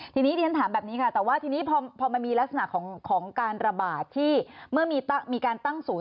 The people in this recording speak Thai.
ทีนี้เรียนถามแบบนี้ค่ะแต่ว่าทีนี้พอมันมีลักษณะของการระบาดที่เมื่อมีการตั้งศูนย์